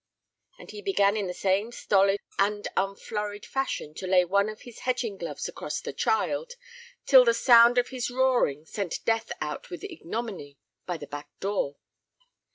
And he began in the same stolid and unflurried fashion to lay one of his hedging gloves across the child, till the sound of his roaring sent Death out with ignominy by the back door.